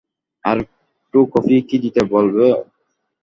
আরেকটু কফি কি দিতে বলব?